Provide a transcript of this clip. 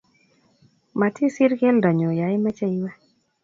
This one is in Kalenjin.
Mtisir keldo nyu ya imeche iwe